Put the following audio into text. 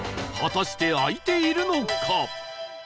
果たして開いているのか？